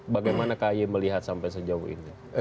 bagaimana kay melihat sampai sejauh ini